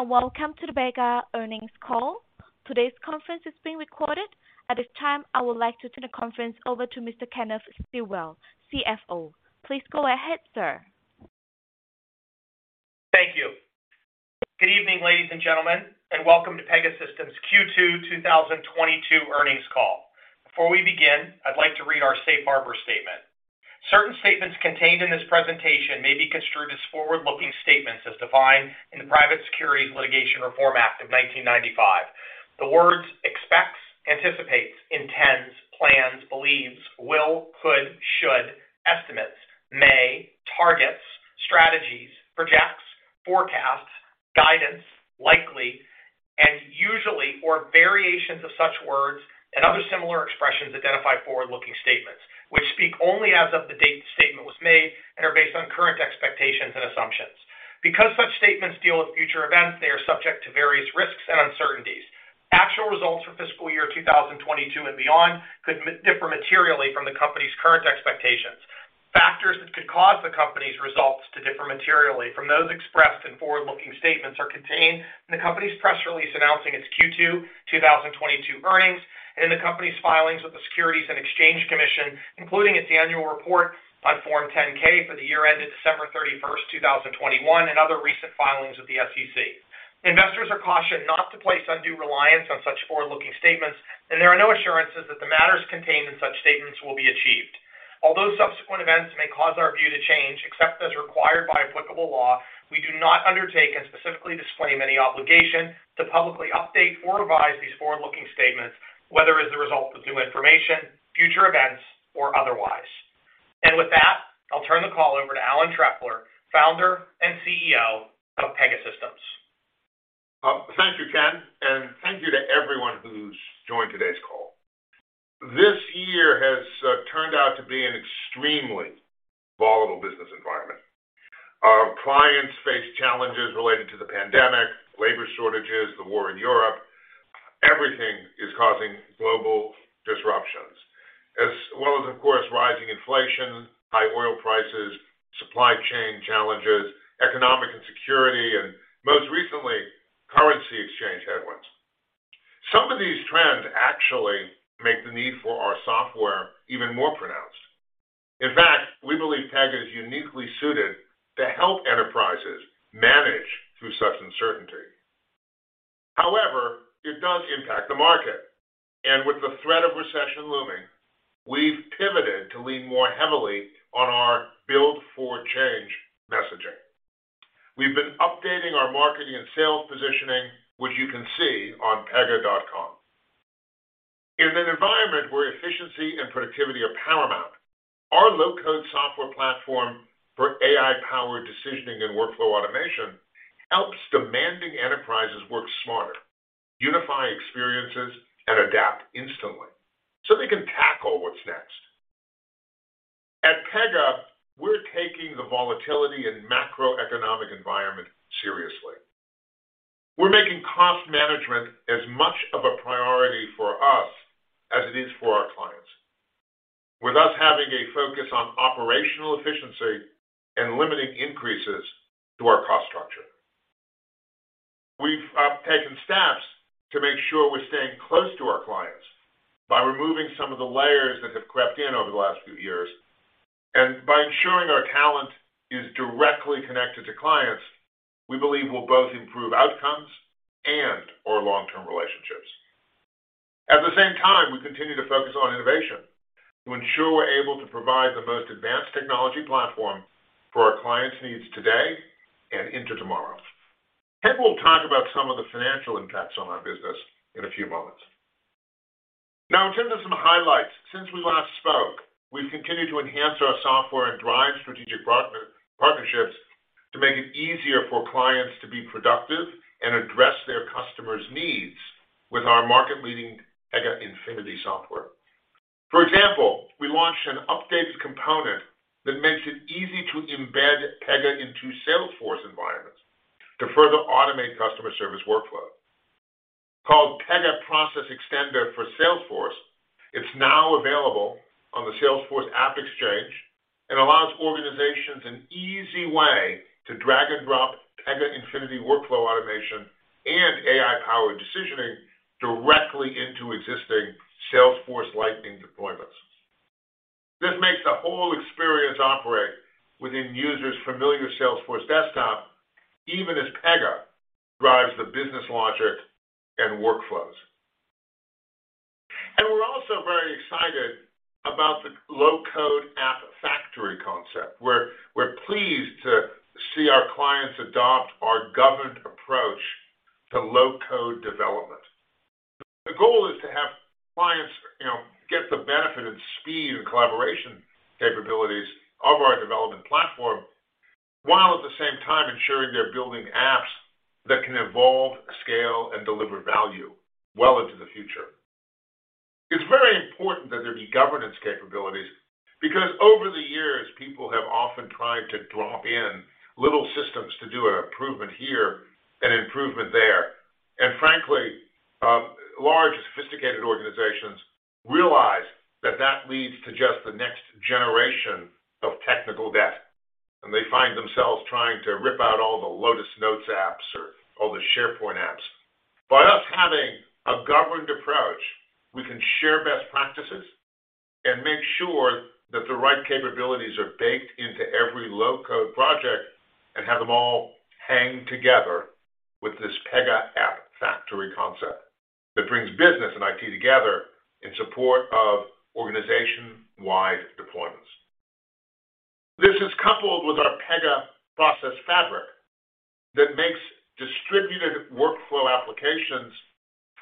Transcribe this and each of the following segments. Welcome to the Pega Earnings Call. Today's conference is being recorded. At this time, I would like to turn the conference over to Mr. Kenneth Stillwell, CFO. Please go ahead, sir. Thank you. Good evening, ladies and gentlemen, and welcome to Pegasystems Q2 2022 earnings call. Before we begin, I'd like to read our safe harbor statement. Certain statements contained in this presentation may be construed as forward-looking statements as defined in the Private Securities Litigation Reform Act of 1995. The words expects, anticipates, intends, plans, believes, will, could, should, estimates, may, targets, strategies, projects, forecasts, guidance, likely, and usually, or variations of such words and other similar expressions identify forward-looking statements, which speak only as of the date the statement was made and are based on current expectations and assumptions. Because such statements deal with future events, they are subject to various risks and uncertainties. Actual results for fiscal year 2022 and beyond could differ materially from the company's current expectations. Factors that could cause the company's results to differ materially from those expressed in forward-looking statements are contained in the company's press release announcing its Q2 2022 earnings and in the company's filings with the Securities and Exchange Commission, including its annual report on Form 10-K for the year ended December 31st, 2021, and other recent filings with the SEC. Investors are cautioned not to place undue reliance on such forward-looking statements, and there are no assurances that the matters contained in such statements will be achieved. Although subsequent events may cause our view to change, except as required by applicable law, we do not undertake and specifically disclaim any obligation to publicly update or revise these forward-looking statements, whether as a result of new information, future events, or otherwise. With that, I'll turn the call over to Alan Trefler, Founder and CEO of Pegasystems. Thank you, Ken, and thank you to everyone who's joined today's call. This year has turned out to be an extremely volatile business environment. Our clients face challenges related to the pandemic, labor shortages, the war in Europe. Everything is causing global disruptions. As well as, of course, rising inflation, high oil prices, supply chain challenges, economic insecurity, and most recently, currency exchange headwinds. Some of these trends actually make the need for our software even more pronounced. In fact, we believe Pega is uniquely suited to help enterprises manage through such uncertainty. However, it does impact the market. With the threat of recession looming, we've pivoted to lean more heavily on our build for change messaging. We've been updating our marketing and sales positioning, which you can see on pega.com. In an environment where efficiency and productivity are paramount, our low-code software platform for AI-powered decisioning and workflow automation helps demanding enterprises work smarter, unify experiences, and adapt instantly so they can tackle what's next. At Pega, we're taking the volatility and macroeconomic environment seriously. We're making cost management as much of a priority for us as it is for our clients, with us having a focus on operational efficiency and limiting increases to our cost structure. We've taken steps to make sure we're staying close to our clients by removing some of the layers that have crept in over the last few years. By ensuring our talent is directly connected to clients, we believe will both improve outcomes and our long-term relationships. At the same time, we continue to focus on innovation to ensure we're able to provide the most advanced technology platform for our clients' needs today and into tomorrow. Ken will talk about some of the financial impacts on our business in a few moments. Now in terms of some highlights, since we last spoke, we've continued to enhance our software and drive strategic partnerships to make it easier for clients to be productive and address their customers' needs with our market-leading Pega Infinity software. For example, we launched an updated component that makes it easy to embed Pega into Salesforce environments to further automate customer service workflow. Called Pega Process Extender for Salesforce, it's now available on the Salesforce AppExchange and allows organizations an easy way to drag and drop Pega Infinity workflow automation and AI-powered decisioning directly into existing Salesforce Lightning deployments. This makes the whole experience operate within users' familiar Salesforce desktop, even as Pega drives the business logic and workflows. We're also very excited about the low-code app factory concept, where we're pleased to see our clients adopt our governed approach to low-code development. The goal is to have clients, you know, get the benefit of speed and collaboration capabilities of our development platform, while at the same time ensuring they're building apps that can evolve, scale, and deliver value well into the future. It's very important that there be governance capabilities because over the years, people have often tried to drop in little systems to do an improvement here and improvement there. Sophisticated organizations realize that that leads to just the next generation of technical debt, and they find themselves trying to rip out all the Lotus Notes apps or all the SharePoint apps. By us having a governed approach, we can share best practices and make sure that the right capabilities are baked into every low-code project and have them all hang together with this Pega App Factory concept that brings business and IT together in support of organization-wide deployments. This is coupled with our Pega Process Fabric that makes distributed workflow applications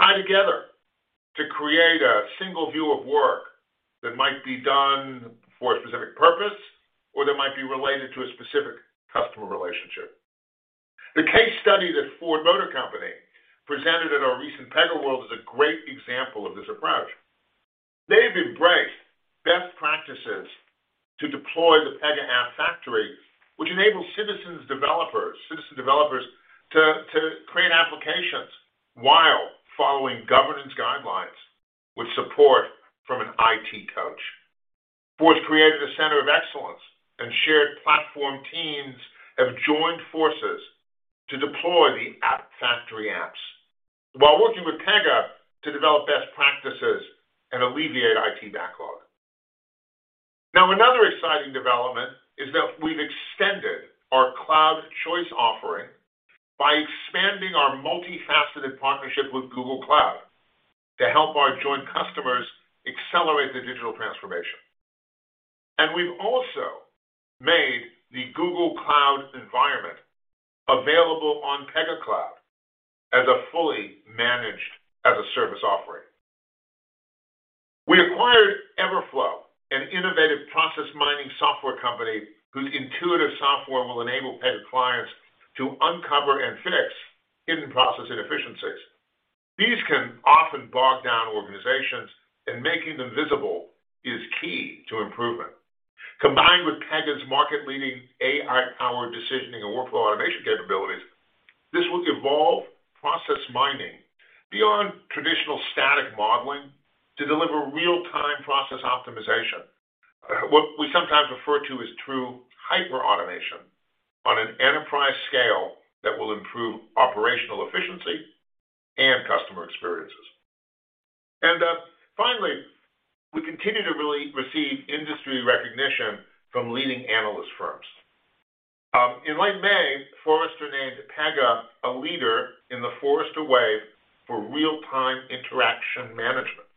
tie together to create a single view of work that might be done for a specific purpose or that might be related to a specific customer relationship. The case study that Ford Motor Company presented at our recent PegaWorld is a great example of this approach. They've embraced best practices to deploy the Pega App Factory, which enables citizen developers to create applications while following governance guidelines with support from an IT coach. Ford's created a center of excellence and shared platform teams have joined forces to deploy the App Factory apps while working with Pega to develop best practices and alleviate IT backlog. Now, another exciting development is that we've extended our cloud choice offering by expanding our multifaceted partnership with Google Cloud to help our joint customers accelerate their digital transformation. We've also made the Google Cloud environment available on Pega Cloud as a fully managed as-a-service offering. We acquired Everflow, an innovative process mining software company whose intuitive software will enable Pega clients to uncover and fix hidden process inefficiencies. These can often bog down organizations, and making them visible is key to improvement. Combined with Pega's market-leading AI-powered decisioning and workflow automation capabilities, this will evolve process mining beyond traditional static modeling to deliver real-time process optimization. What we sometimes refer to as true hyperautomation on an enterprise scale that will improve operational efficiency and customer experiences. Finally, we continue to really receive industry recognition from leading analyst firms. In late May, Forrester named Pega a leader in the Forrester Wave for Real-Time Interaction Management.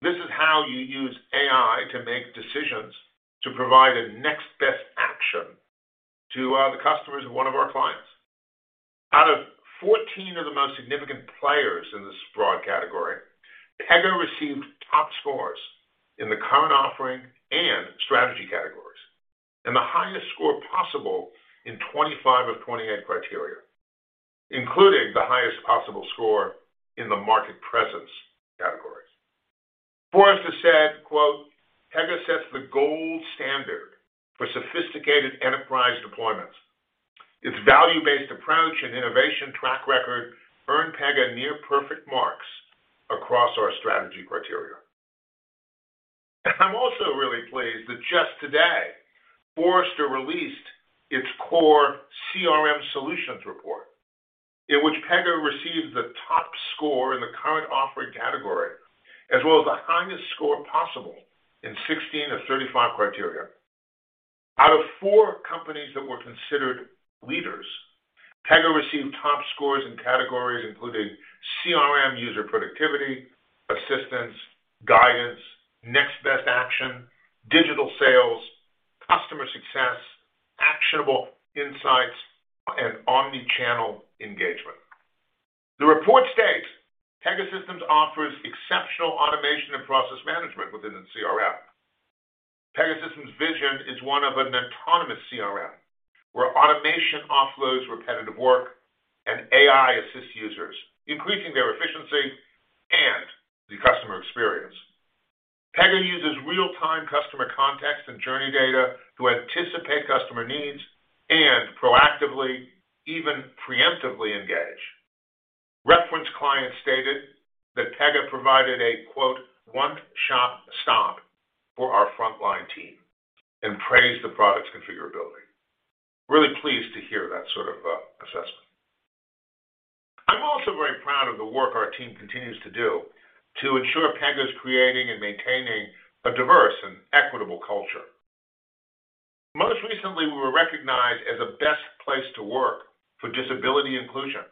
This is how you use AI to make decisions to provide a next best action to the customers of one of our clients. Out of 14 of the most significant players in this broad category, Pega received top scores in the current offering and strategy categories, and the highest score possible in 25 of 28 criteria, including the highest possible score in the market presence categories. Forrester said, quote, "Pega sets the gold standard for sophisticated enterprise deployments. Its value-based approach and innovation track record earn Pega near perfect marks across our strategy criteria. I'm also really pleased that just today, Forrester released its core CRM solutions report, in which Pega receives the top score in the current offering category, as well as the highest score possible in 16 of 35 criteria. Out of four companies that were considered leaders, Pega received top scores in categories including CRM user productivity, assistance, guidance, next best action, digital sales, customer success, actionable insights, and omni-channel engagement. The report states, "Pegasystems offers exceptional automation and process management within its CRM. Pegasystems' vision is one of an autonomous CRM, where automation offloads repetitive work and AI assists users, increasing their efficiency and the customer experience. Pegasystems uses real-time customer context and journey data to anticipate customer needs and proactively, even preemptively engage. Reference clients stated that Pega provided a quote, "one-stop shop for our frontline team," and praised the product's configurability. Really pleased to hear that sort of assessment. I'm also very proud of the work our team continues to do to ensure Pega is creating and maintaining a diverse and equitable culture. Most recently, we were recognized as a best place to work for disability inclusion,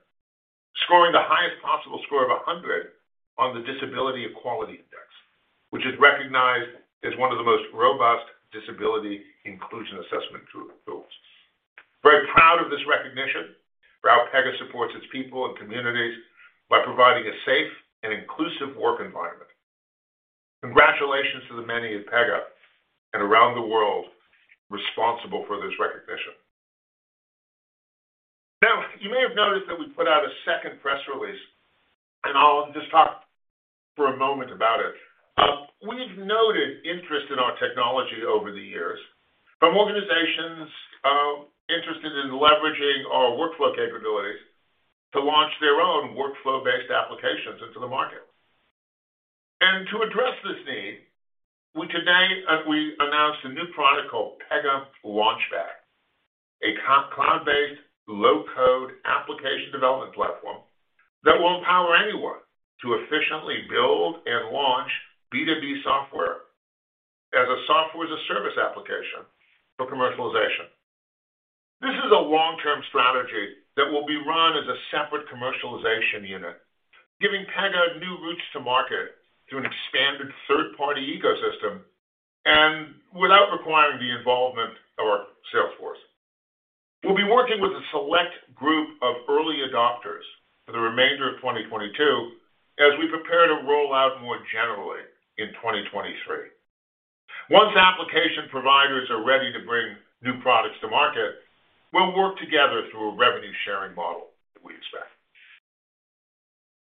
scoring the highest possible score of 100 on the Disability Equality Index, which is recognized as one of the most robust disability inclusion assessment tools. Very proud of this recognition for how Pega supports its people and communities by providing a safe and inclusive work environment. Congratulations to the many at Pega and around the world responsible for this recognition. Now, you may have noticed that we put out a second press release, and I'll just talk for a moment about it. We've noted interest in our technology over the years. From organizations interested in leveraging our workflow capabilities to launch their own workflow-based applications into the market. To address this need, we today announced a new product called Pega Launchpad, a cloud-based low-code application development platform that will empower anyone to efficiently build and launch B2B software as a service application for commercialization. This is a long-term strategy that will be run as a separate commercialization unit, giving Pega new routes to market through an expanded third-party ecosystem and without requiring the involvement of our sales force. We'll be working with a select group of early adopters for the remainder of 2022 as we prepare to roll out more generally in 2023. Once application providers are ready to bring new products to market, we'll work together through a revenue-sharing model that we expect.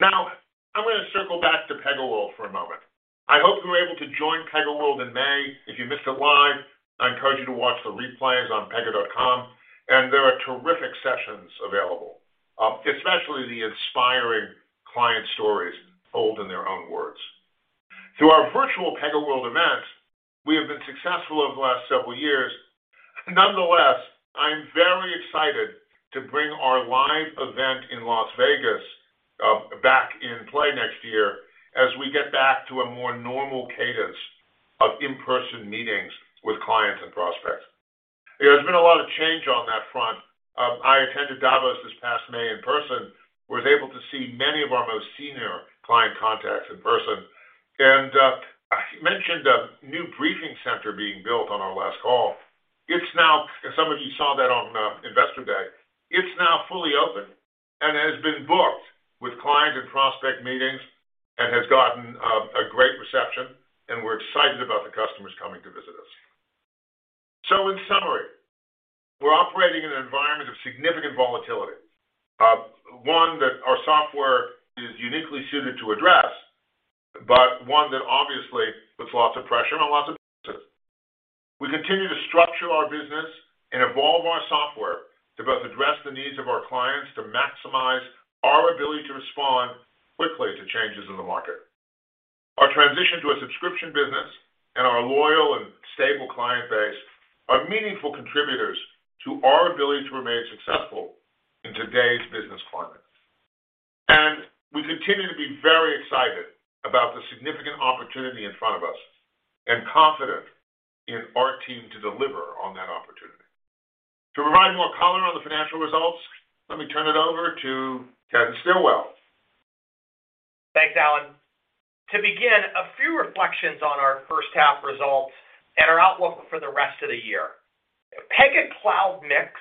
Now, I'm going to circle back to PegaWorld for a moment. I hope you were able to join PegaWorld in May. If you missed it live, I encourage you to watch the replays on pega.com, and there are terrific sessions available, especially the inspiring client stories told in their own words. Through our virtual PegaWorld events, we have been successful over the last several years. Nonetheless, I'm very excited to bring our live event in Las Vegas back in play next year as we get back to a more normal cadence of in-person meetings with clients and prospects. There's been a lot of change on that front. I attended Davos this past May in person, was able to see many of our most senior client contacts in person. I mentioned a new briefing center being built on our last call. Some of you saw that on the Investor Day. It's now fully open and has been booked with client and prospect meetings and has gotten a great reception, and we're excited about the customers coming to visit us. In summary, we're operating in an environment of significant volatility, one that our software is uniquely suited to address, but one that obviously puts lots of pressure on lots of businesses. We continue to structure our business and evolve our software to both address the needs of our clients to maximize our ability to respond quickly to changes in the market. Our transition to a subscription business and our loyal and stable client base are meaningful contributors to our ability to remain successful in today's business climate. We continue to be very excited about the significant opportunity in front of us and confident in our team to deliver on that opportunity. To provide more color on the financial results, let me turn it over to Ken Stillwell. Thanks, Alan. To begin, a few reflections on our first half results and our outlook for the rest of the year. Pega Cloud mix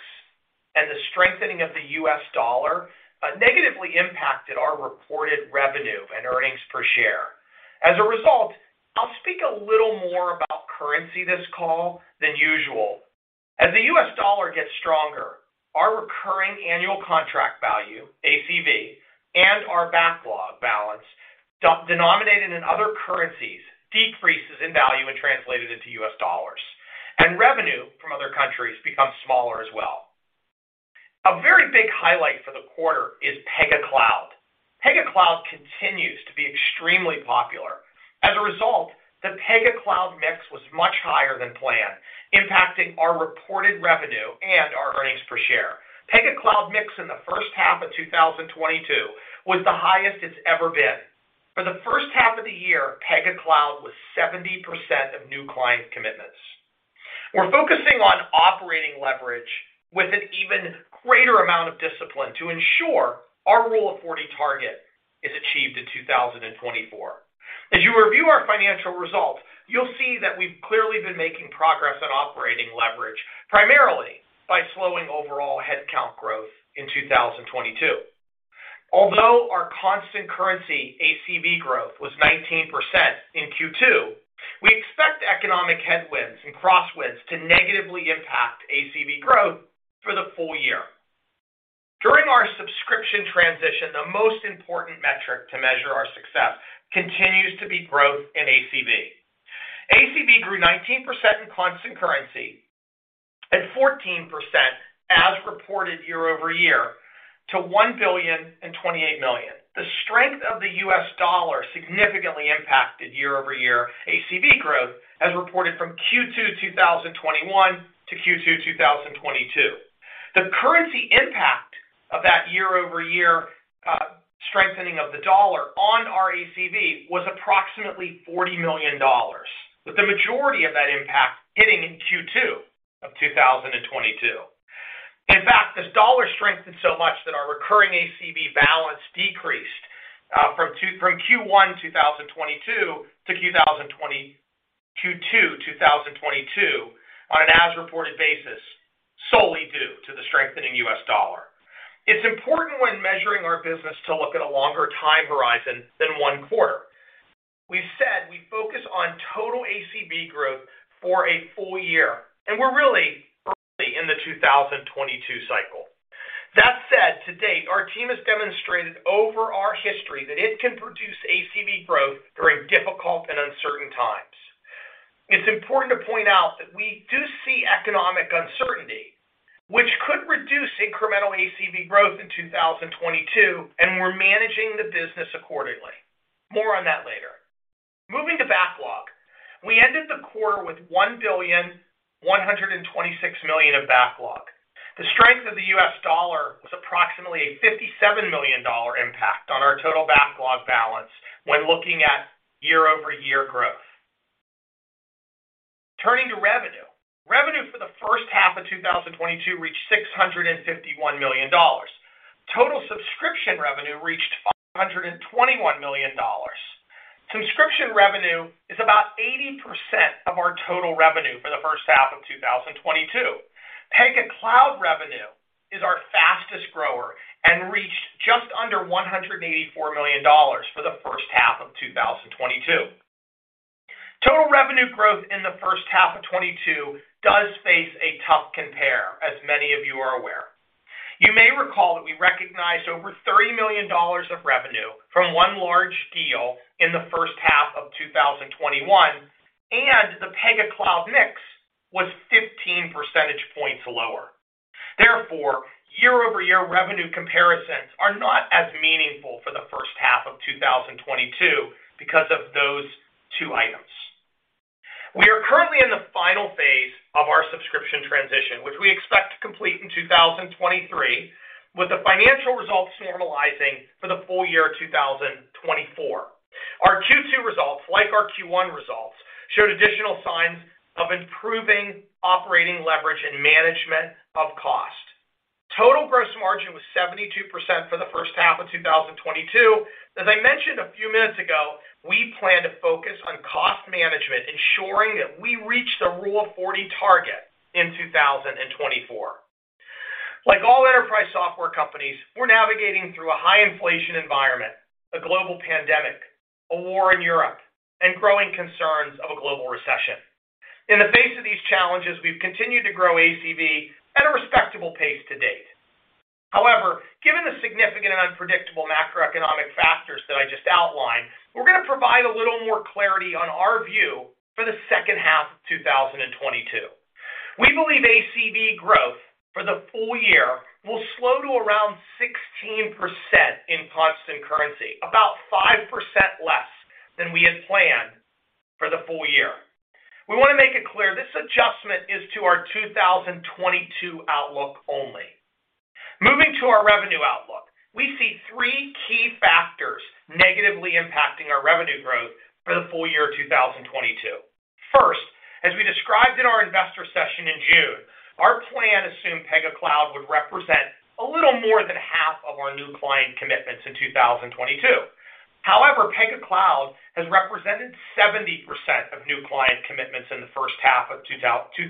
and the strengthening of the U.S. dollar negatively impacted our reported revenue and earnings per share. As a result, I'll speak a little more about currency this call than usual. As the U.S. dollar gets stronger, our recurring annual contract value, ACV, and our backlog balance denominated in other currencies decreases in value when translated into U.S. dollars, and revenue from other countries becomes smaller as well. A very big highlight for the quarter is Pega Cloud. Pega Cloud continues to be extremely popular. As a result, the Pega Cloud mix was much higher than planned, impacting our reported revenue and our earnings per share. Pega Cloud mix in the first half of 2022 was the highest it's ever been. For the first half of the year, Pega Cloud was 70% of new client commitments. We're focusing on operating leverage with an even greater amount of discipline to ensure our Rule of 40 target is achieved in 2024. As you review our financial results, you'll see that we've clearly been making progress on operating leverage, primarily by slowing overall headcount growth in 2022. Although our constant currency ACV growth was 19% in Q2, we expect economic headwinds and crosswinds to negatively impact ACV growth for the full year. During our subscription transition, the most important metric to measure our success continues to be growth in ACV. ACV grew 19% in constant currency and 14% as reported year over year to $1,028,000 million. The strength of the U.S. dollar significantly impacted year-over-year ACV growth as reported from Q2 2021 to Q2 2022. The currency impact of that year-over-year strengthening of the dollar on our ACV was approximately $40 million, with the majority of that impact hitting in Q2 of 2022. In fact, the dollar strengthened so much that our recurring ACV balance decreased from Q1 2022 to Q2 2022 on an as-reported basis, solely due to the strengthening U.S. dollar. It's important when measuring our business to look at a longer time horizon than one quarter. We've said we focus on total ACV growth for a full year, and we're really 2022 cycle. That said, to date, our team has demonstrated over our history that it can produce ACV growth during difficult and uncertain times. It's important to point out that we do see economic uncertainty, which could reduce incremental ACV growth in 2022, and we're managing the business accordingly. More on that later. Moving to backlog, we ended the quarter with $1,126 million of backlog. The strength of the U.S. dollar was approximately a $57 million impact on our total backlog balance when looking at year-over-year growth. Turning to revenue. Revenue for the first half of 2022 reached $651 million. Total subscription revenue reached $521 million. Subscription revenue is about 80% of our total revenue for the first half of 2022. Pega Cloud revenue is our fastest grower and reached just under $184 million for the first half of 2022. Total revenue growth in the first half of 2022 does face a tough compare, as many of you are aware. You may recall that we recognized over $30 million of revenue from one large deal in the first half of 2021, and the Pega Cloud mix was 15 percentage points lower. Therefore, year-over-year revenue comparisons are not as meaningful for the first half of 2022 because of those two items. We are currently in the final phase of our subscription transition, which we expect to complete in 2023, with the financial results normalizing for the full year 2024. Our Q2 results, like our Q1 results, showed additional signs of improving operating leverage and management of cost. Total gross margin was 72% for the first half of 2022. As I mentioned a few minutes ago, we plan to focus on cost management, ensuring that we reach the Rule of 40 target in 2024. Like all enterprise software companies, we're navigating through a high inflation environment, a global pandemic, a war in Europe, and growing concerns of a global recession. In the face of these challenges, we've continued to grow ACV at a respectable pace to date. However, given the significant and unpredictable macroeconomic factors that I just outlined, we're going to provide a little more clarity on our view for the second half of 2022. We believe ACV growth for the full year will slow to around 16% in constant currency, about 5% less than we had planned for the full year. We want to make it clear this adjustment is to our 2022 outlook only. Moving to our revenue outlook. We see three key factors negatively impacting our revenue growth for the full year 2022. First, as we described in our investor session in June, our plan assumed Pega Cloud would represent a little more than half of our new client commitments in 2022. However, Pega Cloud has represented 70% of new client commitments in the first half of 2022.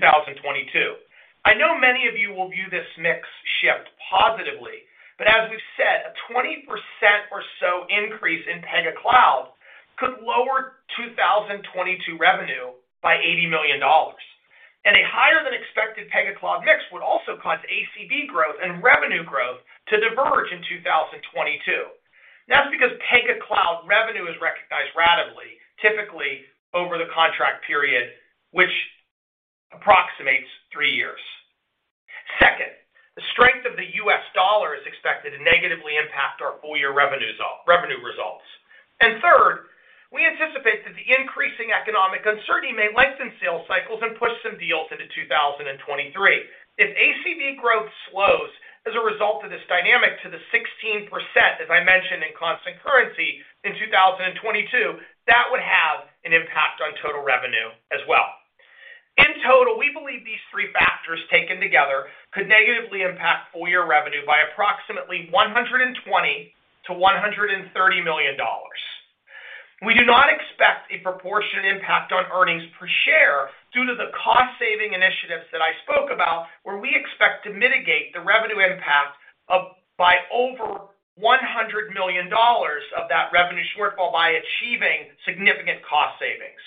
I know many of you will view this mix shift positively, but as we've said, a 20% or so increase in Pega Cloud could lower 2022 revenue by $80 million. A higher than expected Pega Cloud mix would also cause ACV growth and revenue growth to diverge in 2022. That's because Pega Cloud revenue is recognized ratably, typically over the contract period, which approximates three years. Second, the strength of the U.S. dollar is expected to negatively impact our full-year revenue results. Third, we anticipate that the increasing economic uncertainty may lengthen sales cycles and push some deals into 2023. If ACV growth slows as a result of this dynamic to the 16%, as I mentioned in constant currency in 2022, that would have an impact on total revenue as well. In total, we believe these three factors taken together could negatively impact full year revenue by approximately $120 million-$130 million. We do not expect a proportionate impact on earnings per share due to the cost-saving initiatives that I spoke about, where we expect to mitigate the revenue impact by over $100 million of that revenue shortfall by achieving significant cost savings.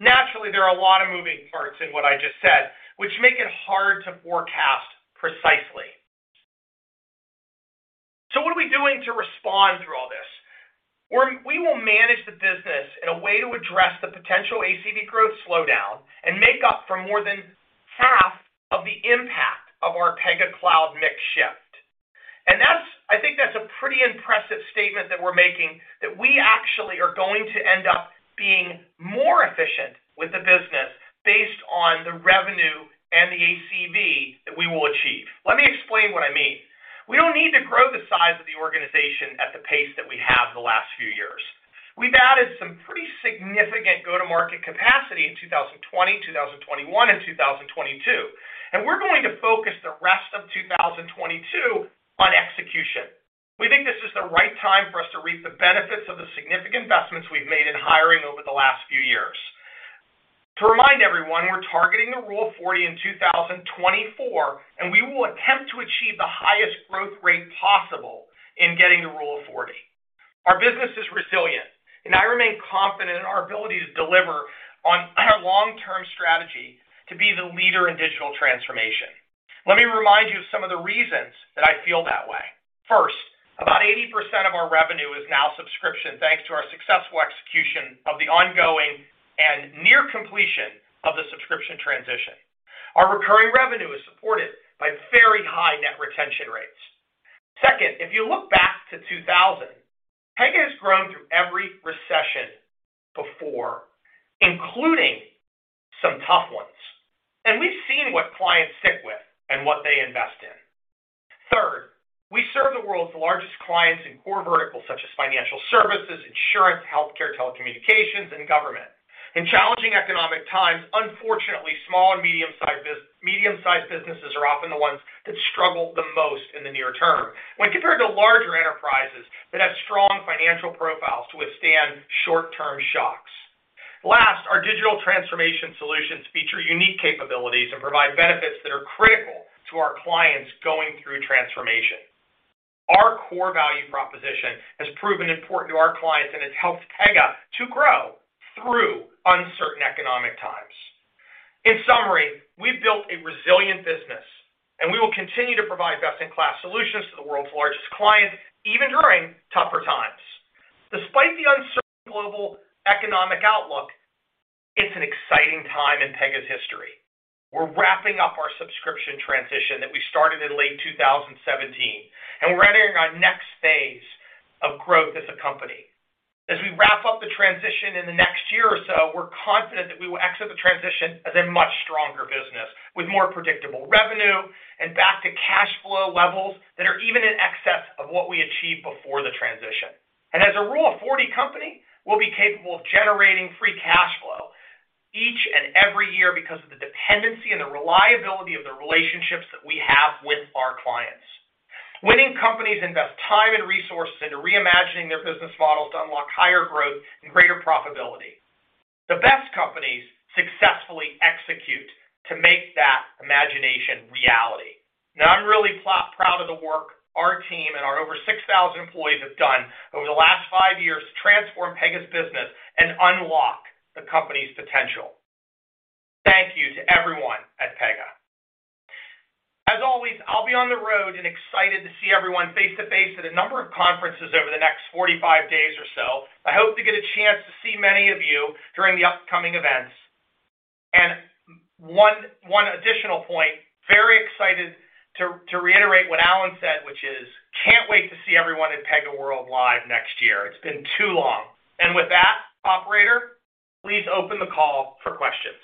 Naturally, there are a lot of moving parts in what I just said, which make it hard to forecast precisely. What are we doing to respond through all this? We will manage the business in a way to address the potential ACV growth slowdown and make up for more than half of the impact of our Pega Cloud mix shift, and that's. I think that's a pretty impressive statement that we're making, that we actually are going to end up being more efficient with the business based on the revenue and the ACV that we will achieve. Let me explain what I mean. We don't need to grow the size of the organization at the pace that we have the last few years. We've added some pretty significant go-to-market capacity in 2020, 2021 and 2022, and we're going to focus the rest of 2022 on execution. We think this is the right time for us to reap the benefits of the significant investments we've made in hiring over the last few years. To remind everyone, we're targeting the Rule of 40 in 2024, and we will attempt to achieve the highest growth rate possible in getting the Rule of 40. Our business is resilient, and I remain confident in our ability to deliver on our long-term strategy to be the leader in digital transformation. Let me remind you of some of the reasons that I feel that way. First, about 80% of our revenue is now subscription, thanks to our successful execution of the ongoing and near completion of the subscription transition. Our recurring revenue is supported by very high net retention rates. Second, if you look back to 2000, Pega has grown through every recession before, including some tough ones, and we've seen what clients stick with and what they invest in. Third, we serve the world's largest clients in core verticals such as financial services, insurance, healthcare, telecommunications, and government. In challenging economic times, unfortunately, small and medium-sized businesses are often the ones that struggle the most in the near term when compared to larger enterprises that have strong financial profiles to withstand short-term shocks. Last, our digital transformation solutions feature unique capabilities and provide benefits that are critical to our clients going through transformation. Our core value proposition has proven important to our clients and has helped Pega to grow through uncertain economic times. In summary, we've built a resilient business and we will continue to provide best-in-class solutions to the world's largest clients, even during tougher times. Despite the uncertain global economic outlook, it's an exciting time in Pega's history. We're wrapping up our subscription transition that we started in late 2017, and we're entering our next phase of growth as a company. As we wrap up the transition in the next year or so, we're confident that we will exit the transition as a much stronger business with more predictable revenue and back to cash flow levels that are even in excess of what we achieved before the transition. As a Rule of 40 company, we'll be capable of generating free cash flow each and every year because of the dependency and the reliability of the relationships that we have with our clients. Winning companies invest time and resources into reimagining their business models to unlock higher growth and greater profitability. The best companies successfully execute to make that imagination reality. Now, I'm really proud of the work our team and our over 6,000 employees have done over the last five years to transform Pega's business and unlock the company's potential. Thank you to everyone at Pega. As always, I'll be on the road and excited to see everyone face to face at a number of conferences over the next 45 days or so. I hope to get a chance to see many of you during the upcoming events. One additional point, very excited to reiterate what Alan said, which is, can't wait to see everyone at PegaWorld live next year. It's been too long. With that, operator, please open the call for questions.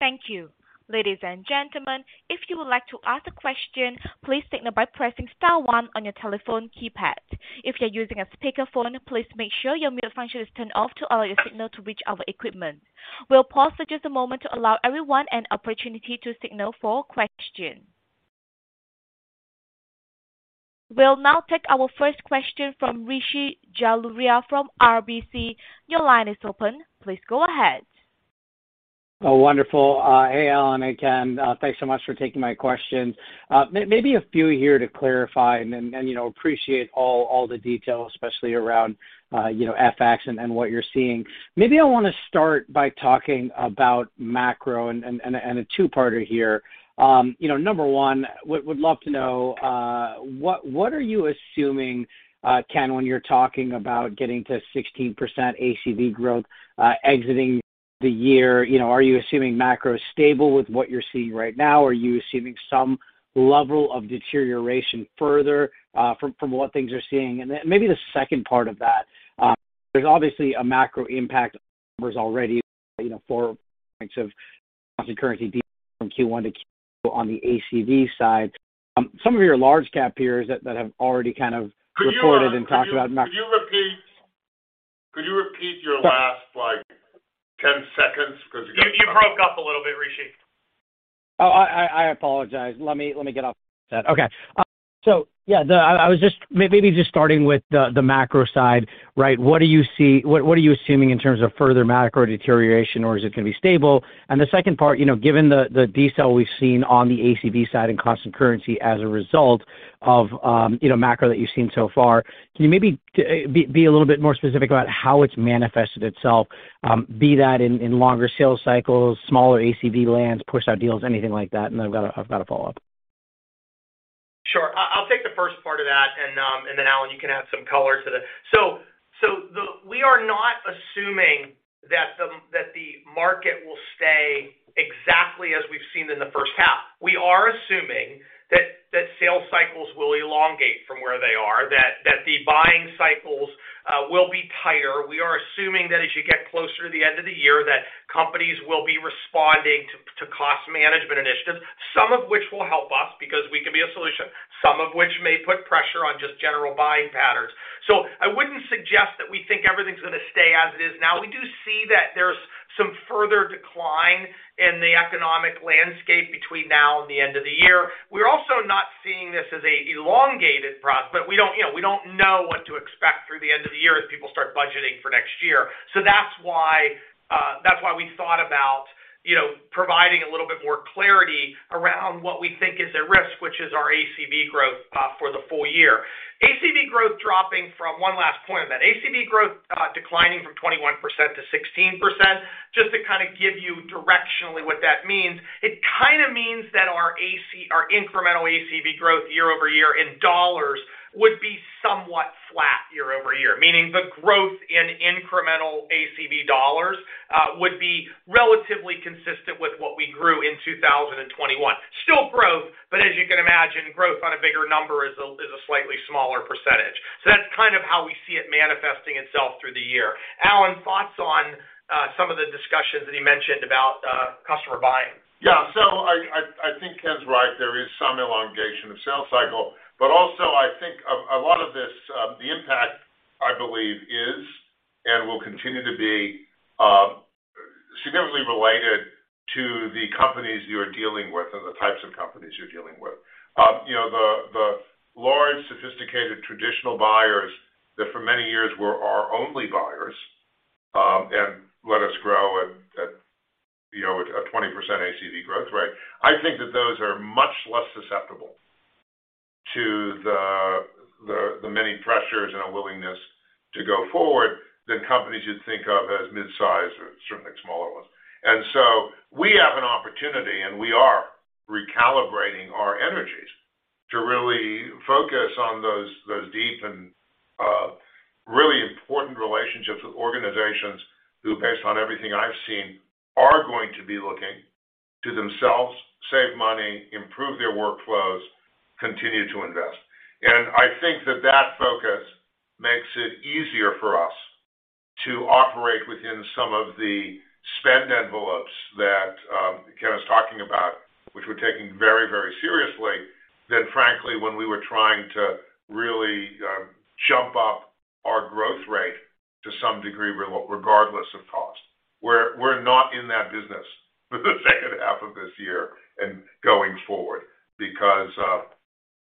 Thank you. Ladies and gentlemen, if you would like to ask a question, please signal by pressing star one on your telephone keypad. If you're using a speakerphone, please make sure your mute function is turned off to allow your signal to reach our equipment. We'll pause for just a moment to allow everyone an opportunity to signal for question. We'll now take our first question from Rishi Jaluria from RBC. Your line is open. Please go ahead. Oh, wonderful. Hey, Alan and Ken. Thanks so much for taking my question. Maybe a few here to clarify and then, you know, appreciate all the details, especially around, you know, FX and what you're seeing. Maybe I wanna start by talking about macro and a two-parter here. You know, number one, would love to know what are you assuming, Ken, when you're talking about getting to 16% ACV growth exiting the year? You know, are you assuming macro is stable with what you're seeing right now? Are you assuming some level of deterioration further from what we're seeing? Then maybe the second part of that, there's obviously a macro impact on numbers already, you know, four points of currency from Q1 to Q2 on the ACV side, some of your large cap peers that have already kind of reported and talked about macro- Could you repeat your last, like, 10 seconds 'cause it got cut off? You broke up a little bit, Rishi. Oh, I apologize. Let me get off that. Okay. So yeah, I was just maybe just starting with the macro side, right? What do you see? What are you assuming in terms of further macro deterioration, or is it gonna be stable? And the second part, you know, given the detail we've seen on the ACV side and cost and currency as a result of, you know, macro that you've seen so far, can you maybe be a little bit more specific about how it's manifested itself, be that in longer sales cycles, smaller ACV lands, pushed out deals, anything like that? And then I've got a follow-up. Sure. I'll take the first part of that and then Alan, you can add some color to that. We are not assuming that the market will stay exactly as we've seen in the first half. We are assuming that sales cycles will elongate from where they are, that the buying cycles will be tighter. We are assuming that as you get closer to the end of the year, that companies will be responding to cost management initiatives, some of which will help us because we can be a solution, some of which may put pressure on just general buying patterns. I wouldn't suggest that we think everything's gonna stay as it is now. We do see that there's some further decline in the economic landscape between now and the end of the year. We're also not seeing this as an elongated product, but we don't, you know, we don't know what to expect through the end of the year as people start budgeting for next year. That's why we thought about, you know, providing a little bit more clarity around what we think is at risk, which is our ACV growth for the full year. One last point, that ACV growth declining from 21%-16%, just to kind of give you directionally what that means. It kinda means that our incremental ACV growth year-over-year in dollars would be somewhat flat year-over-year. Meaning the growth in incremental ACV dollars would be relatively consistent with what we grew in 2021. Still growth, but as you can imagine, growth on a bigger number is a slightly smaller percentage. That's kind of how we see it manifesting itself through the year. Alan, thoughts on some of the discussions that he mentioned about customer buying. Yeah. I think Ken's right. There is some elongation of sales cycle. Also I think a lot of this, the impact, I believe, is and will continue to be significantly related to the companies you're dealing with and the types of companies you're dealing with. You know, the large, sophisticated traditional buyers that for many years were our only buyers, and let us grow at you know a 20% ACV growth rate, I think that those are much less susceptible to the many pressures and a willingness to go forward than companies you'd think of as mid-size or certainly smaller ones. We have an opportunity, and we are recalibrating our energies to really focus on those deep and really important relationships with organizations who, based on everything I've seen, are going to be looking to themselves to save money, improve their workflows, continue to invest. I think that focus makes it easier for us to operate within some of the spend envelopes that Ken was talking about, which we're taking very, very seriously, more than frankly, when we were trying to really jump up our growth rate to some degree regardless of cost. We're not in that business for the second half of this year and going forward because, you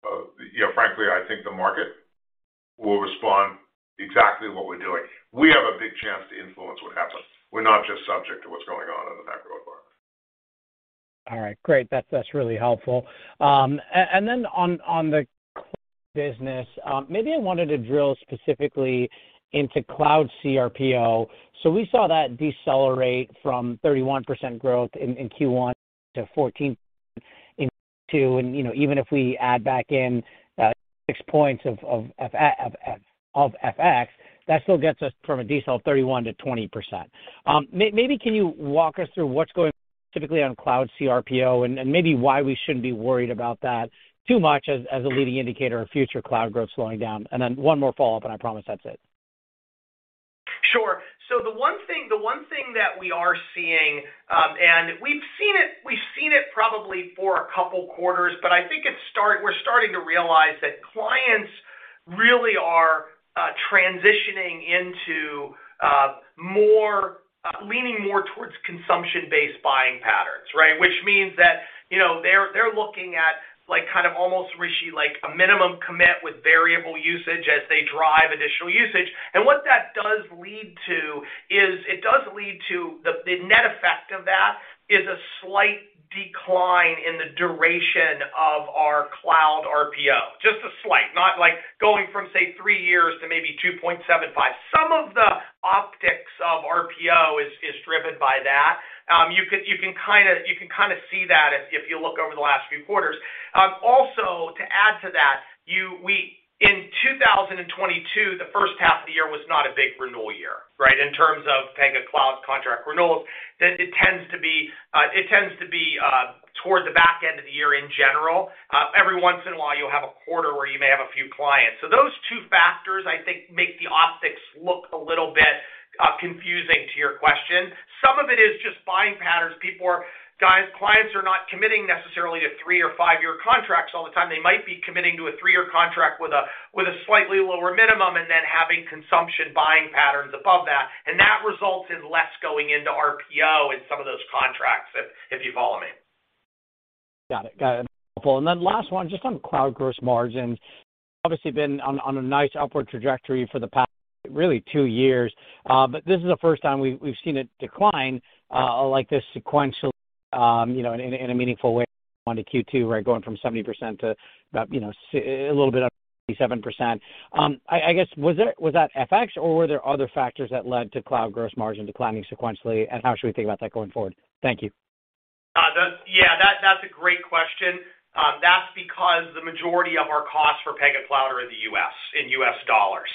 know, frankly, I think the market will respond to exactly what we're doing. We have a big chance to influence what happens. We're not just subject to what's going on in the macro environment. All right. Great. That's really helpful. On the business, maybe I wanted to drill specifically into Cloud cRPO. We saw that decelerate from 31% growth in Q1 to 14% in Q2. You know, even if we add back in six points of FX, that still gets us from a decel of 31%-20%. Maybe can you walk us through what's going on specifically on Cloud cRPO and maybe why we shouldn't be worried about that too much as a leading indicator of future cloud growth slowing down. One more follow-up, and I promise that's it. Sure. The one thing that we are seeing, and we've seen it probably for a couple quarters, but I think we're starting to realize that clients really are transitioning into leaning more towards consumption-based buying patterns, right? Which means that, you know, they're looking at like, kind of almost Rishi, like a minimum commit with variable usage as they drive additional usage. What that does lead to is it does lead to the net effect of that is a slight decline in the duration of our cloud RPO. Just a slight, not like going from, say, three years to maybe 2.75. Some of the optics of RPO is driven by that. You can kinda see that if you look over the last few quarters. Also to add to that, we in 2022, the first half of the year was not a big renewal year, right? In terms of Pega Cloud contract renewals, then it tends to be toward the back end of the year in general. Every once in a while you'll have a quarter where you may have a few clients. Those two factors, I think, make the optics look a little bit confusing to your question. Some of it is just buying patterns. Clients are not committing necessarily to three or five year contracts all the time. They might be committing to a three-year contract with a slightly lower minimum and then having consumption buying patterns above that. That results in less going into RPO in some of those contracts, if you follow me. Got it. Helpful. Last one, just on cloud gross margin. Obviously been on a nice upward trajectory for the past, really two years. This is the first time we've seen it decline like this sequentially, you know, in a meaningful way on the Q2, right? Going from 70% to about, you know, a little bit up to 77%. I guess, was that FX or were there other factors that led to cloud gross margin declining sequentially? How should we think about that going forward? Thank you. That's a great question. That's because the majority of our costs for Pega Cloud are in the U.S., in U.S. dollars.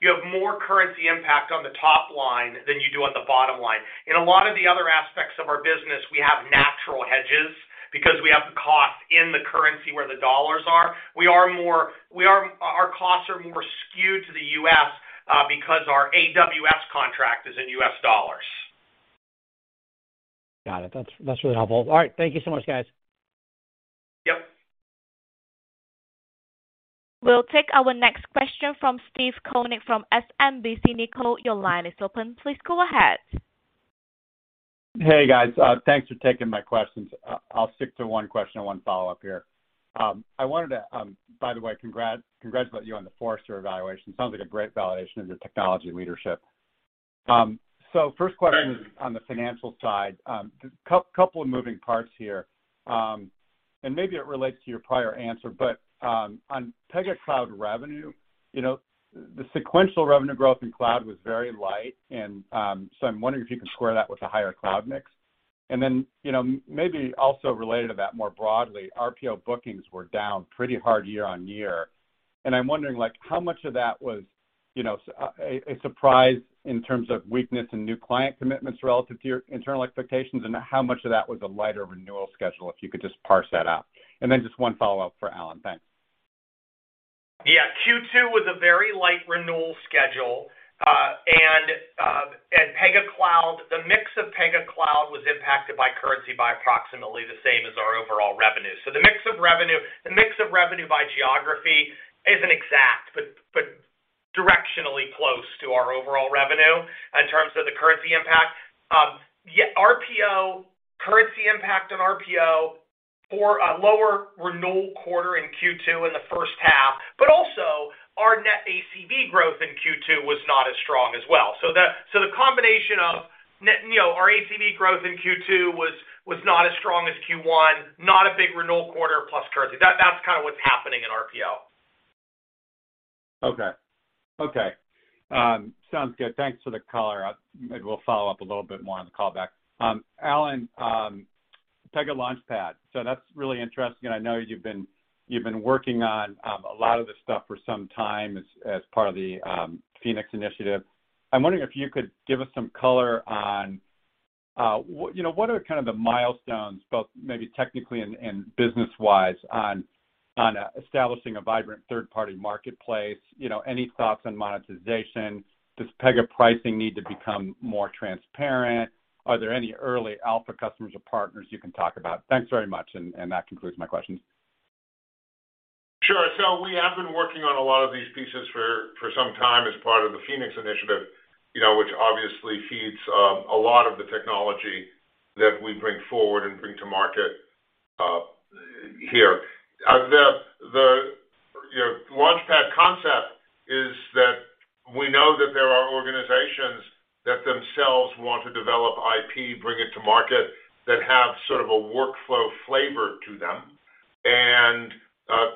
You have more currency impact on the top line than you do on the bottom line. In a lot of the other aspects of our business, we have natural hedges because we have the cost in the currency where the dollars are. Our costs are more skewed to the U.S. because our AWS contract is in U.S. dollars. Got it. That's really helpful. All right. Thank you so much, guys. Yep. We'll take our next question from Steve Koenig from SMBC Nikko. Your line is open. Please go ahead. Hey guys, thanks for taking my questions. I'll stick to one question and one follow-up here. I wanted to, by the way, congratulate you on the Forrester evaluation. Sounds like a great validation of your technology leadership. First question is on the financial side. Couple of moving parts here. Maybe it relates to your prior answer, but on Pega Cloud revenue, you know, the sequential revenue growth in cloud was very light and so I'm wondering if you can square that with a higher cloud mix. You know, maybe also related to that more broadly, RPO bookings were down pretty hard year on year, and I'm wondering, like, how much of that was, you know, a surprise in terms of weakness in new client commitments relative to your internal expectations, and how much of that was a lighter renewal schedule, if you could just parse that out. Just one follow-up for Alan. Thanks. Yeah. Q2 was a very light renewal schedule, and Pega Cloud, the mix of Pega Cloud was impacted by currency by approximately the same as our overall revenue. So the mix of revenue by geography isn't exact, but directionally close to our overall revenue in terms of the currency impact. Yeah, RPO, currency impact on RPO for a lower renewal quarter in Q2 in the first half, but also our net ACV growth in Q2 was not as strong as well. So the combination of net, you know, our ACV growth in Q2 was not as strong as Q1. Not a big renewal quarter plus currency. That's kind of what's happening in RPO. Okay. Sounds good. Thanks for the color. Maybe we'll follow up a little bit more on the callback. Alan, Pega Launchpad. That's really interesting, and I know you've been working on a lot of this stuff for some time as part of the Phoenix initiative. I'm wondering if you could give us some color on what you know what are kind of the milestones, both maybe technically and business-wise, on establishing a vibrant third party marketplace? You know, any thoughts on monetization? Does Pega pricing need to become more transparent? Are there any early alpha customers or partners you can talk about? Thanks very much. That concludes my questions. Sure. We have been working on a lot of these pieces for some time as part of the Phoenix initiative, you know, which obviously feeds a lot of the technology that we bring forward and bring to market here. You know, Pega Launchpad concept is that we know that there are organizations that themselves want to develop IP, bring it to market, that have sort of a workflow flavor to them.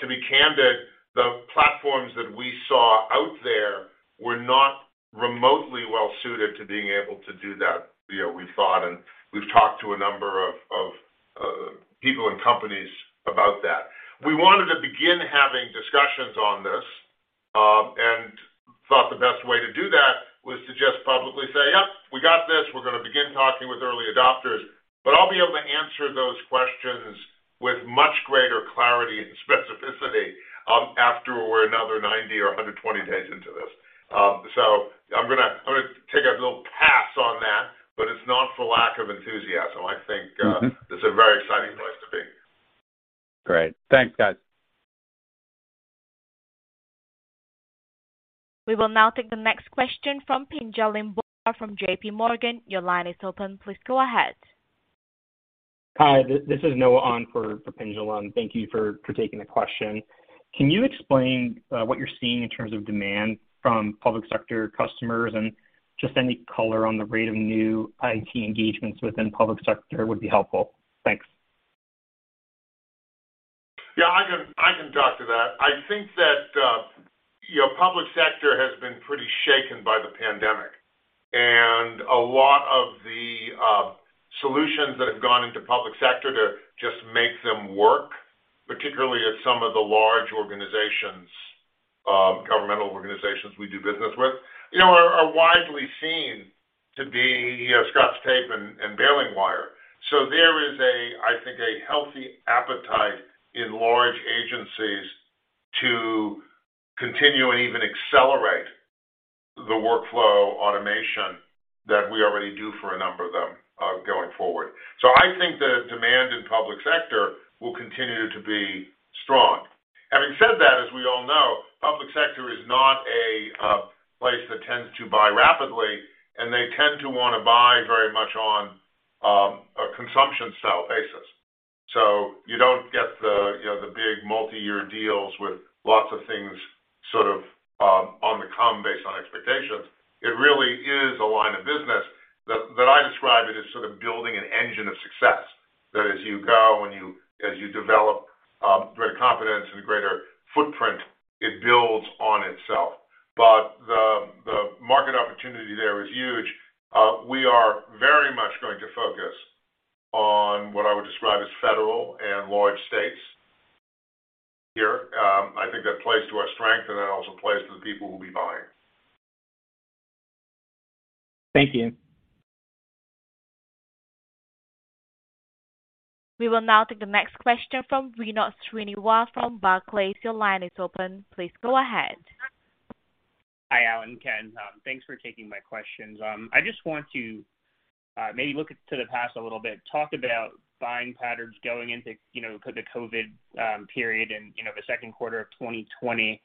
To be candid, the platforms that we saw out there were not remotely well suited to being able to do that, you know, we thought, and we've talked to a number of people and companies about that. We wanted to begin having discussions on this and thought the best way to do that was to just publicly say, "Yep, we got this. We're gonna begin talking with early adopters." I'll be able to answer those questions with much greater clarity and specificity, after we're another 90 or 120 days into this. I'm gonna take a little pass on that, but it's not for lack of enthusiasm. I think. Mm-hmm It's a very exciting place to be. Great. Thanks, guys. We will now take the next question from Pinjalim Bora from JPMorgan. Your line is open. Please go ahead. Hi, this is Noah on for Pinjalim Bora. Thank you for taking the question. Can you explain what you're seeing in terms of demand from public sector customers and just any color on the rate of new IT engagements within public sector would be helpful? Thanks. Yeah, I can talk to that. I think that, you know, public sector has been pretty shaken by the pandemic, and a lot of the solutions that have gone into public sector to just make them work, particularly at some of the large organizations, governmental organizations we do business with, you know, are widely seen to be, you know, scotch tape and bailing wire. There is a, I think, a healthy appetite in large agencies to continue and even accelerate the workflow automation that we already do for a number of them, going forward. I think the demand in public sector will continue to be strong. Having said that, as we all know, public sector is not a place that tends to buy rapidly, and they tend to wanna buy very much on a consumption style basis. You don't get the, you know, the big multi-year deals with lots of things sort of on the come based on expectations. It really is a line of business that I describe it as sort of building an engine of success. That as you go and as you develop greater confidence and a greater footprint, it builds on itself. But the market opportunity there is huge. We are very much going to focus on what I would describe as federal and large states here. I think that plays to our strength and that also plays to the people who'll be buying. Thank you. We will now take the next question from Vinod Srinivas from Barclays. Your line is open. Please go ahead. Alan, Ken, thanks for taking my questions. I just want to, maybe look to the past a little bit, talk about buying patterns going into, you know, the COVID period and, you know, the second quarter of 2020.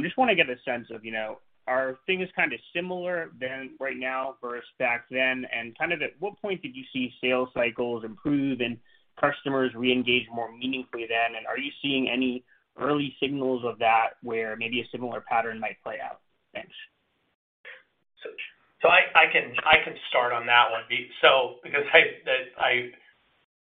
Just wanna get a sense of, you know, are things kinda similar to right now versus back then? Kind of at what point did you see sales cycles improve and customers reengage more meaningfully then? Are you seeing any early signals of that where maybe a similar pattern might play out? Thanks. I can start on that one because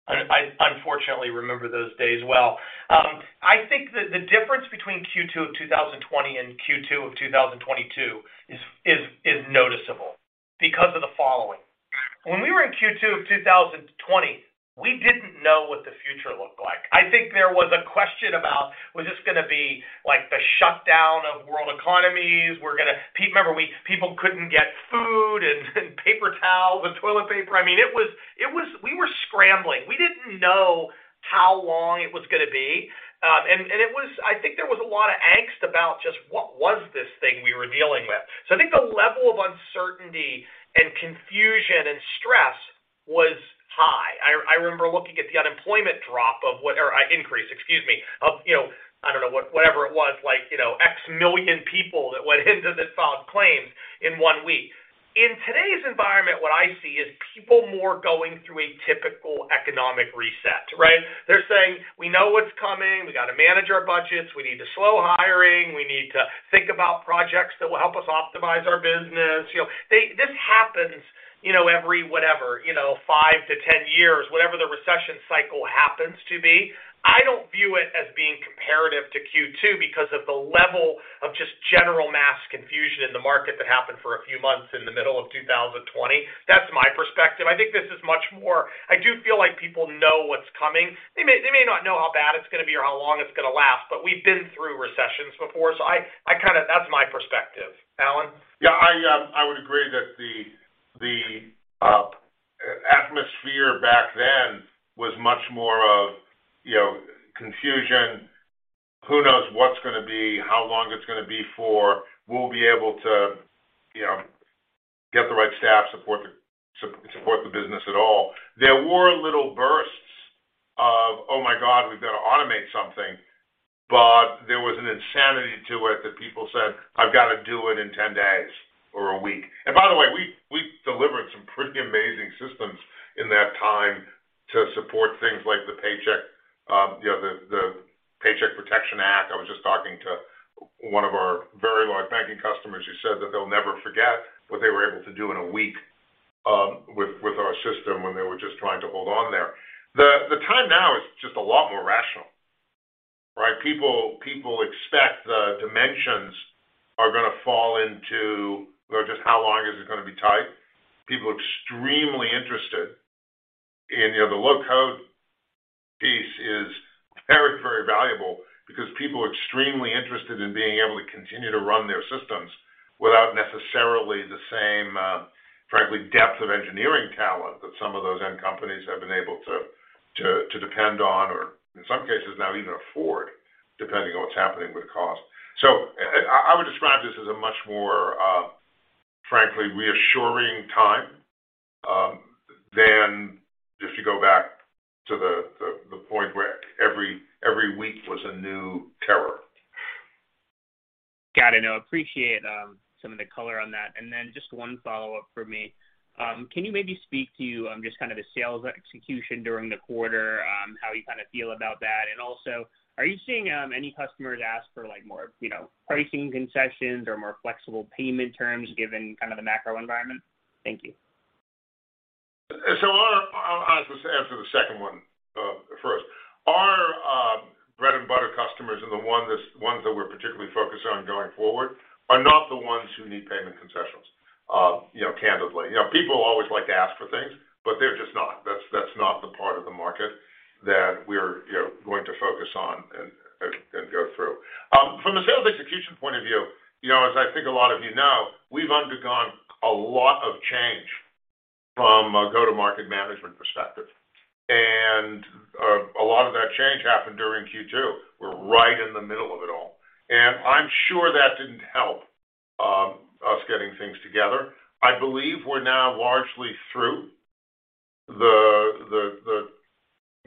I unfortunately remember those days well. I think that the difference between Q2 of 2020 and Q2 of 2022 is noticeable because of the following. When we were in Q2 of 2020, we didn't know what the future looked like. I think there was a question about was this gonna be like the shutdown of world economies. Remember, people couldn't get food and paper towels and toilet paper. I mean, it was we were scrambling. We didn't know how long it was gonna be. I think there was a lot of angst about just what was this thing we were dealing with. I think the level of uncertainty and confusion and stress was high. I remember looking at the unemployment increase, excuse me, of, you know, I don't know what, whatever it was, like, you know, X million people that went into that filed claims in one week. In today's environment, what I see is people more going through a typical economic reset, right? They're saying, "We know what's coming. We gotta manage our budgets. We need to slow hiring. We need to think about projects that will help us optimize our business." You know, they this happens, you know, every, whatever, you know, five to 10 years, whatever the recession cycle happens to be. I don't view it as being comparative to Q2 because of the level of just general mass confusion in the market that happened for a few months in the middle of 2020. That's my perspective. I think this is much more. I do feel like people know what's coming. They may not know how bad it's gonna be or how long it's gonna last, but we've been through recessions before. I kinda that's my perspective. Alan? Yeah, I would agree that the atmosphere back then was much more of, you know, confusion, who knows what's gonna be, how long it's gonna be for, will we be able to, you know, get the right staff, support the business at all. There were little bursts of, "Oh my god, we've gotta automate something," but there was an insanity to it that people said, "I've gotta do it in 10 days or a week." By the way, we delivered some pretty amazing systems in that time to support things like the paycheck, you know, the Paycheck Protection App. I was just talking to one of our very large banking customers who said that they'll never forget what they were able to do in a week with our system when they were just trying to hold on there. The time now is just a lot more rational, right? People expect the dimensions are gonna fall into or just how long is it gonna be tight. People extremely interested in, you know, the low-code piece is very, very valuable because people are extremely interested in being able to continue to run their systems without necessarily the same, frankly, depth of engineering talent that some of those end companies have been able to depend on or in some cases now even afford, depending on what's happening with cost. I would describe this as a much more, frankly reassuring time than if you go back to the point where every week was a new terror. Got it. I appreciate some of the color on that. Then just one follow-up for me. Can you maybe speak to just kind of the sales execution during the quarter, how you kind of feel about that? Also, are you seeing any customers ask for like more, you know, pricing concessions or more flexible payment terms given kind of the macro environment? Thank you. I'll just answer the second one first. Our bread and butter customers are the ones that we're particularly focused on going forward are not the ones who need payment concessions, you know, candidly. You know, people always like to ask for things, but they're just not. That's not the part of the market that we're you know going to focus on and go through. From the sales execution point of view, you know, as I think a lot of you know, we've undergone a lot of change from a go-to-market management perspective. A lot of that change happened during Q2. We're right in the middle of it all. I'm sure that didn't help us getting things together. I believe we're now largely through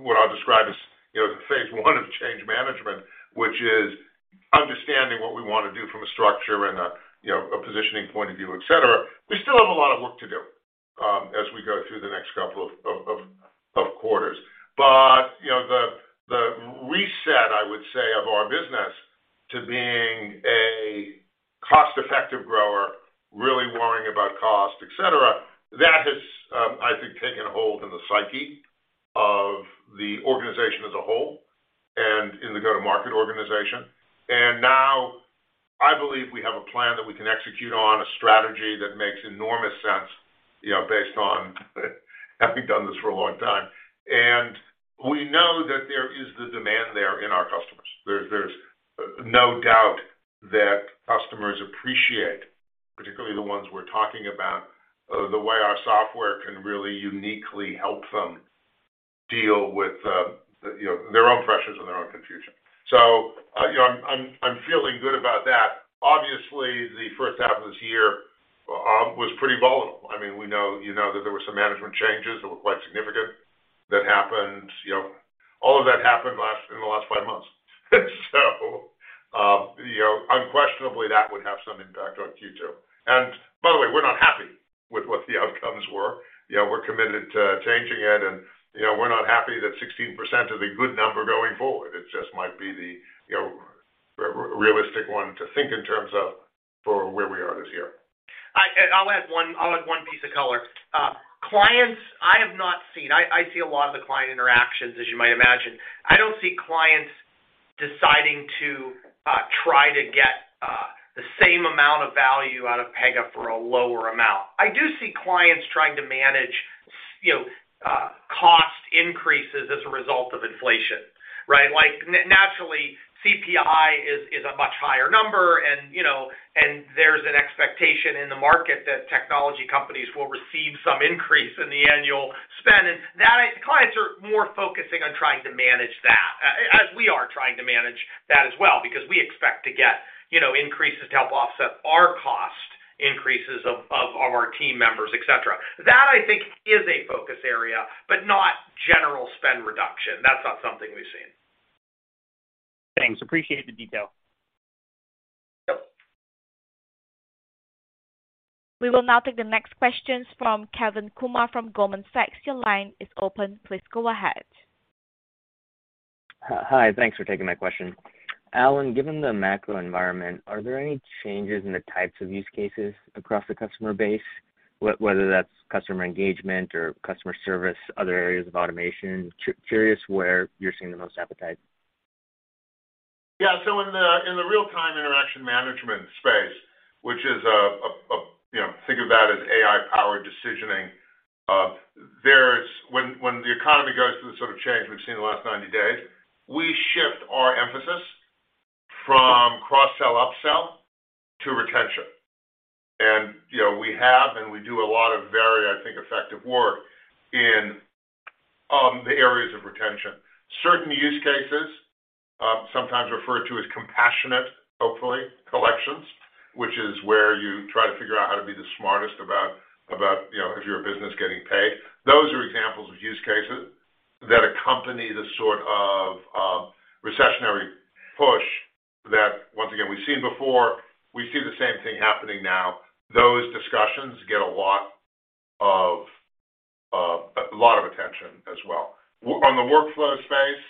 what I'll describe as, you know, the phase one of change management, which is understanding what we wanna do from a structure and a, you know, a positioning point of view, et cetera. We still have a lot of work to do, as we go through the next couple of quarters. You know, the reset, I would say, of our business to being a cost-effective grower, really worrying about cost, et cetera, that has, I think, taken a hold in the psyche of the organization as a whole and in the go-to-market organization. Now I believe we have a plan that we can execute on, a strategy that makes enormous sense, you know, based on having done this for a long time. We know that there is the demand there in our customers. There's no doubt that customers appreciate, particularly the ones we're talking about, the way our software can really uniquely help them deal with, you know, their own pressures and their own confusion. You know, I'm feeling good about that. Obviously, the first half of this year was pretty volatile. I mean, we know, you know that there were some management changes that were quite significant that happened. You know, all of that happened in the last five months. You know, unquestionably, that would have some impact on Q2. By the way, we're not happy with what the outcomes were. You know, we're committed to changing it and, you know, we're not happy that 16% is a good number going forward. It just might be the, you know, realistic one to think in terms of for where we are this year. I'll add one piece of color. Clients I have not seen. I see a lot of the client interactions, as you might imagine. I don't see clients deciding to try to get the same amount of value out of Pega for a lower amount. I do see clients trying to manage you know, cost increases as a result of inflation, right? Like naturally, CPI is a much higher number and, you know, and there's an expectation in the market that technology companies will receive some increase in the annual spend, and that clients are more focusing on trying to manage that, as we are trying to manage that as well, because we expect to get, you know, increases to help offset our cost increases of our team members, et cetera. That, I think is a focus area, but not general spend reduction. That's not something we've seen. Thanks. Appreciate the detail. Yep. We will now take the next questions from Kevin Kumar from Goldman Sachs. Your line is open. Please go ahead. Hi, thanks for taking my question. Alan, given the macro environment, are there any changes in the types of use cases across the customer base, whether that's customer engagement or customer service, other areas of automation? Curious where you're seeing the most appetite. Yeah. In the real-time interaction management space, which is, you know, think of that as AI-powered decisioning, there's, when the economy goes through the sort of change we've seen in the last 90 days, we shift our emphasis from cross-sell, upsell to retention. You know, we have and we do a lot of very, I think, effective work in the areas of retention. Certain use cases, sometimes referred to as compassionate, hopefully, collections, which is where you try to figure out how to be the smartest about, you know, if you're a business getting paid. Those are examples of use cases that accompany the sort of recessionary push that once again, we've seen before. We see the same thing happening now. Those discussions get a lot of attention as well. On the workflow space,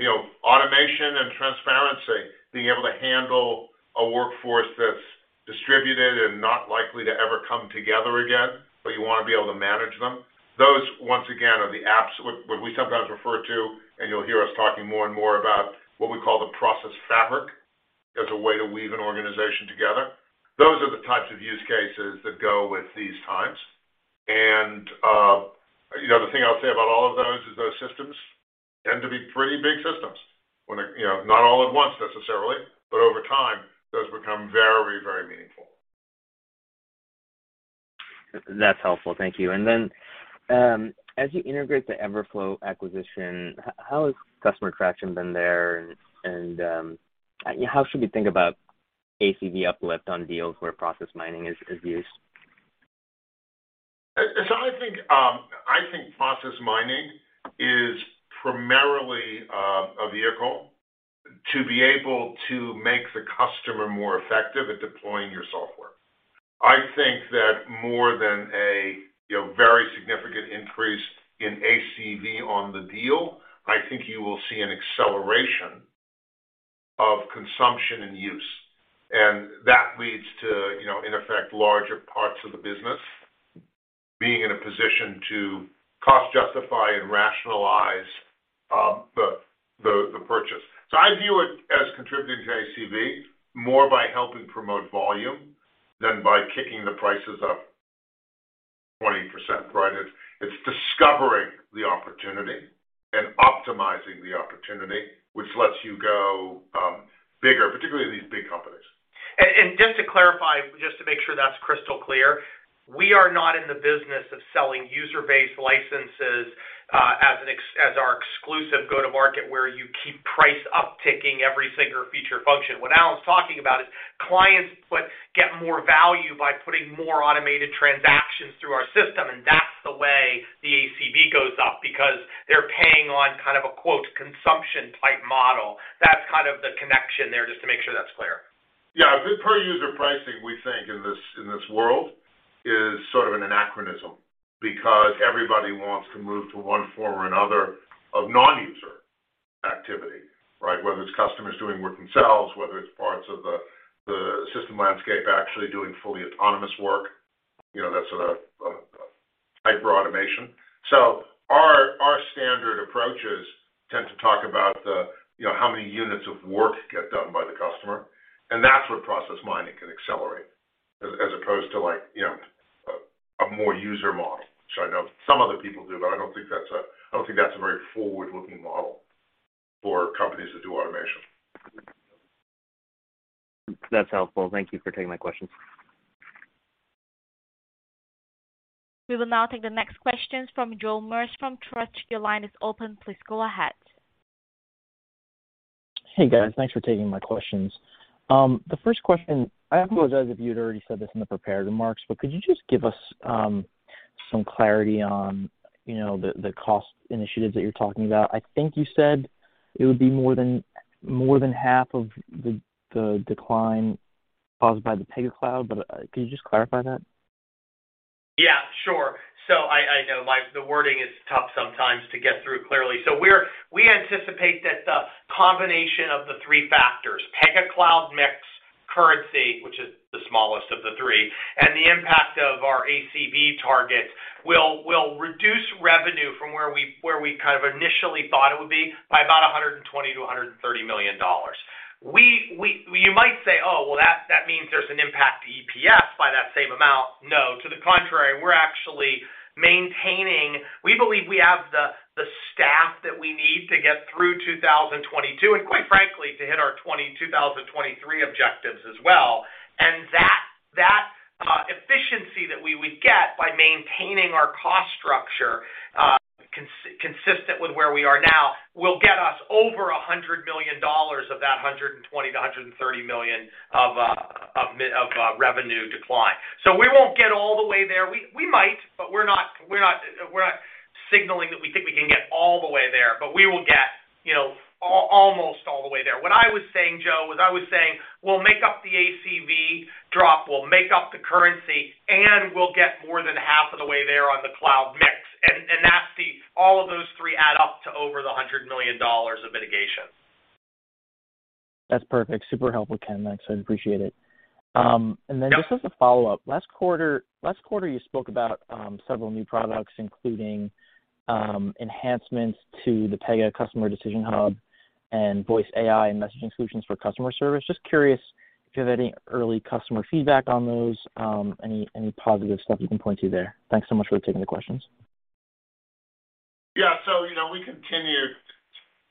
you know, automation and transparency, being able to handle a workforce that's distributed and not likely to ever come together again, but you wanna be able to manage them. Those, once again, are the apps, what we sometimes refer to, and you'll hear us talking more and more about what we call the process fabric as a way to weave an organization together. Those are the types of use cases that go with these times. You know, the thing I'll say about all of those is those systems tend to be pretty big systems when it, you know, not all at once necessarily, but over time, those become very, very meaningful. That's helpful. Thank you. As you integrate the Everflow Acquisition, how has customer traction been there and how should we think about ACV uplift on deals where process mining is used? I think process mining is primarily a vehicle to be able to make the customer more effective at deploying your software. I think that more than a, you know, very significant increase in ACV on the deal, I think you will see an acceleration of consumption and use, and that leads to, you know, in effect, larger parts of the business being in a position to cost justify and rationalize the purchase. I view it as contributing to ACV more by helping promote volume than by kicking the prices up 20%, right? It's discovering the opportunity and optimizing the opportunity, which lets you go bigger, particularly in these big companies. Just to clarify, just to make sure that's crystal clear, we are not in the business of selling user-based licenses as our exclusive go-to-market, where you keep price upticking every single feature function. What Alan's talking about is clients get more value by putting more automated transactions through our system, and that's the way the ACV goes up because they're paying on kind of a, quote, "consumption-type model." That's kind of the connection there, just to make sure that's clear. Yeah. Per user pricing, we think in this world is sort of an anachronism because everybody wants to move to one form or another of non-user activity, right? Whether it's customers doing work themselves, whether it's parts of the system landscape actually doing fully autonomous work, you know, that sort of hyperautomation. Our standard approaches tend to talk about, you know, how many units of work get done by the customer, and that's where process mining can accelerate as opposed to like, you know, a more user model. I know some other people do, but I don't think that's a very forward-looking model for companies that do automation. That's helpful. Thank you for taking my questions. We will now take the next questions from Joe Meares from Truist. Your line is open. Please go ahead. Hey, guys. Thanks for taking my questions. The first question, I apologize if you'd already said this in the prepared remarks, but could you just give us some clarity on, you know, the cost initiatives that you're talking about? I think you said it would be more than half of the decline caused by the Pega Cloud, but could you just clarify that? Yeah, sure. I know the wording is tough sometimes to get through clearly. We anticipate that the combination of the three factors, Pega Cloud mix, currency, which is the smallest of the three, and the impact of our ACV target, will reduce revenue from where we kind of initially thought it would be by about $120 million-$130 million. You might say, "Oh, well, that means there's an impact to EPS by that same amount." No, to the contrary, we're actually maintaining. We believe we have the staff that we need to get through 2022, and quite frankly, to hit our 2023 objectives as well. That efficiency that we would get by maintaining our cost structure consistent with where we are now will get us over $100 million of that $120 million-$130 million of revenue decline. We won't get all the way there. We might, but we're not signaling that we think we can get all the way there, but we will get, you know, almost all the way there. What I was saying, Joe, was I was saying, we'll make up the ACV drop, we'll make up the currency, and we'll get more than half of the way there on the cloud mix. That's the. All of those three add up to over $100 million of mitigation. That's perfect. Super helpful, Ken. Thanks. I appreciate it. Yep. Just as a follow-up. Last quarter, you spoke about several new products, including enhancements to the Pega Customer Decision Hub and Voice AI and messaging solutions for customer service. Just curious if you have any early customer feedback on those, any positive stuff you can point to there. Thanks so much for taking the questions. Yeah. You know, we continue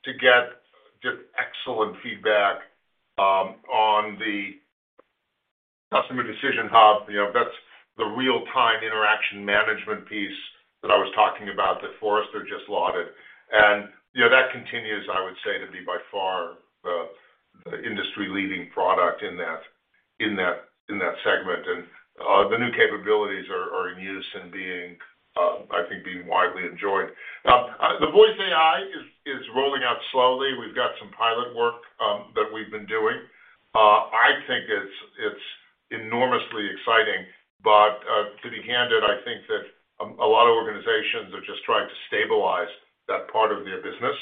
to get just excellent feedback on the Customer Decision Hub. You know, that's the Real-Time Interaction Management piece that I was talking about that Forrester just lauded. You know, that continues, I would say, to be by far the industry-leading product in that segment. The new capabilities are in use and being, I think, being widely enjoyed. The Voice AI is rolling out slowly. We've got some pilot work that we've been doing. I think it's enormously exciting. To be candid, I think that a lot of organizations are just trying to stabilize that part of their business.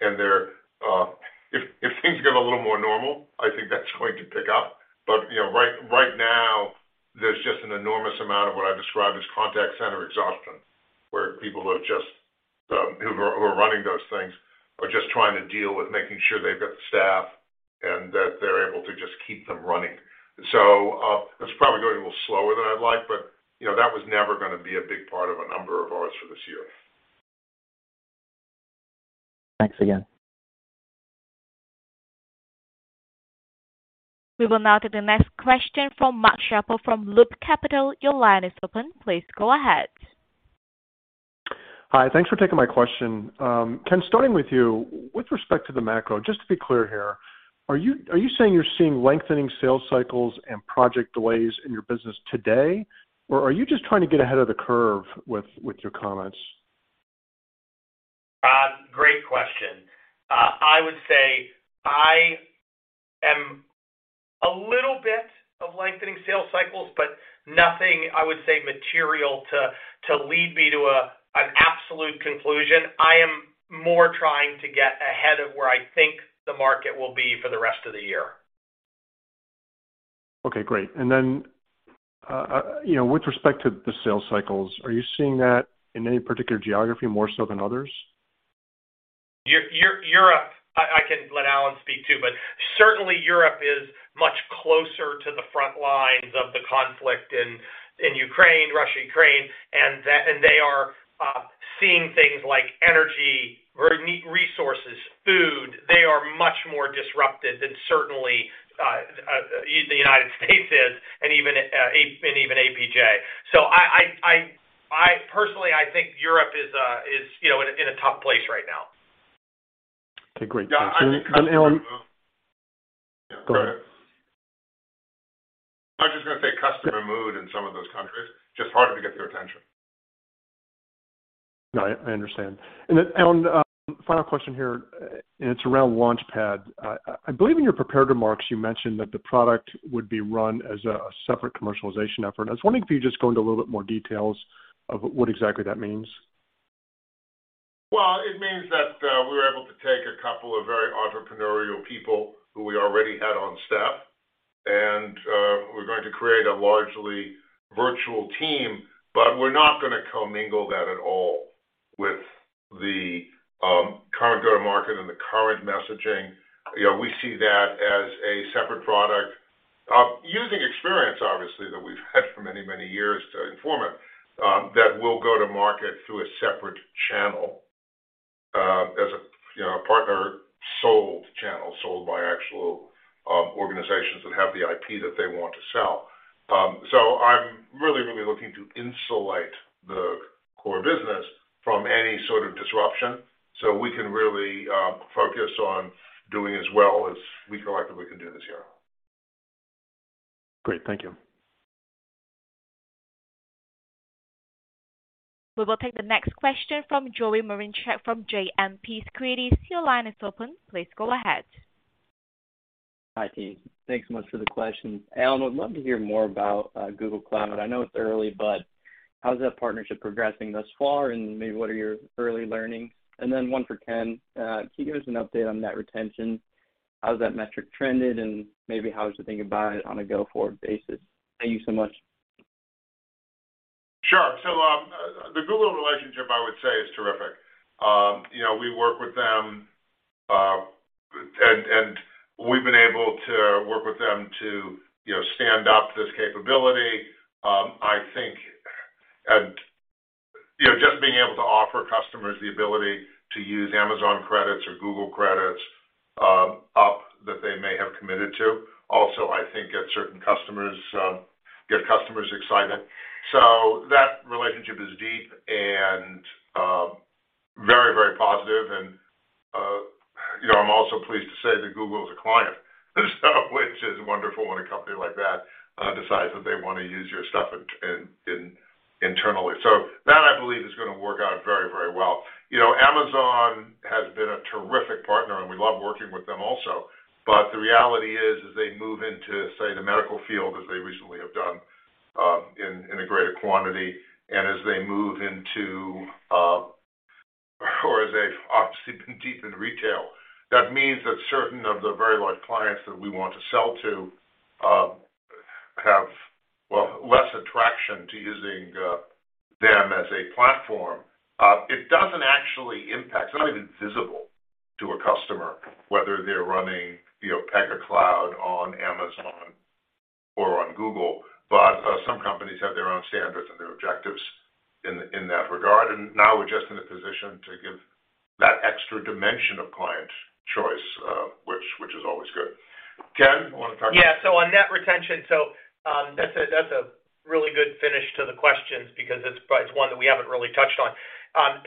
They're if things get a little more normal, I think that's going to pick up. You know, right now, there's just an enormous amount of what I describe as contact center exhaustion, where people who are running those things are just trying to deal with making sure they've got the staff and that they're able to just keep them running. That's probably going a little slower than I'd like, but, you know, that was never gonna be a big part of a number of hours for this year. Thanks again. We will now take the next question from Mark Schappel from Loop Capital. Your line is open. Please go ahead. Hi. Thanks for taking my question. Ken, starting with you. With respect to the macro, just to be clear here, are you saying you're seeing lengthening sales cycles and project delays in your business today, or are you just trying to get ahead of the curve with your comments? Great question. I would say I'm seeing a little bit of lengthening sales cycles, but nothing, I would say, material to lead me to an absolute conclusion. I'm more trying to get ahead of where I think the market will be for the rest of the year. Okay, great. You know, with respect to the sales cycles, are you seeing that in any particular geography more so than others? Europe. I can let Alan speak too, but certainly Europe is much closer to the front lines of the conflict in Ukraine, Russia, and they are seeing things like energy, resources, food. They are much more disrupted than certainly the United States is and even APJ. Personally, I think Europe is, you know, in a tough place right now. Okay, great. Thanks. Yeah. I think customer mood. Alan Go ahead. Go ahead. I'm just gonna say customer mood in some of those countries, just harder to get their attention. No, I understand. Alan, final question here, and it's around Launchpad. I believe in your prepared remarks you mentioned that the product would be run as a separate commercialization effort. I was wondering if you could just go into a little bit more details of what exactly that means. Well, it means that we're able to take a couple of very entrepreneurial people who we already had on staff, and we're going to create a largely virtual team, but we're not gonna commingle that at all with the current go-to-market and the current messaging. You know, we see that as a separate product, using experience, obviously, that we've had for many, many years to inform it, that we'll go to market through a separate channel. Partner-sold channels, sold by actual organizations that have the IP that they want to sell. I'm really, really looking to insulate the core business from any sort of disruption so we can really focus on doing as well as we collectively can do this year. Great. Thank you. We will take the next question from Joseph Marincek from JMP Securities. Your line is open. Please go ahead. Hi, team. Thanks so much for the question. Alan, would love to hear more about Google Cloud. I know it's early, but how's that partnership progressing thus far, and maybe what are your early learnings? One for Ken. Can you give us an update on net retention? How's that metric trended, and maybe how's your thinking about it on a go-forward basis? Thank you so much. Sure. The Google relationship, I would say, is terrific. You know, we work with them, and we've been able to work with them to, you know, stand up this capability. I think you know, just being able to offer customers the ability to use Amazon credits or Google credits, up that they may have committed to also, I think, get customers excited. That relationship is deep and, very, very positive and, you know, I'm also pleased to say that Google is a client, which is wonderful when a company like that decides that they wanna use your stuff internally. That, I believe, is gonna work out very, very well. You know, Amazon has been a terrific partner and we love working with them also. The reality is, as they move into, say, the medical field, as they recently have done, in a greater quantity, and as they've obviously been deep into retail, that means that certain of the very large clients that we want to sell to have well less attraction to using them as a platform. It doesn't actually impact. It's not even visible to a customer whether they're running, you know, Pega Cloud on Amazon or on Google. Some companies have their own standards and their objectives in that regard. Now we're just in a position to give that extra dimension of client choice, which is always good. Ken, you wanna talk about- Yeah. On net retention, that's a really good finish to the questions because it's one that we haven't really touched on.